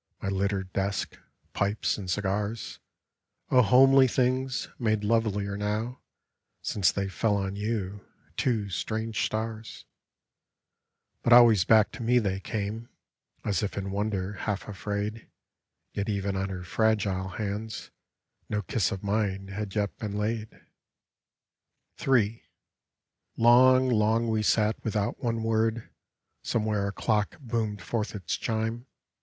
My littered desk, pipes and cigars — O homely things, made lovelier now Since they fell on you — two strange stars I But always back to me they came, As if in wonder, half afraid; Yet even on her fragile hands No kiss of mine had yet been laid. A BALLAD III Long, long we sat, without one word; Somewhere a clock boomed forth its chime.